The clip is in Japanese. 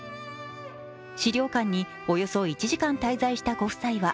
史料館におよそ１時間滞在したご夫妻は